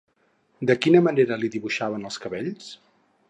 De quina manera li dibuixaven els cabells?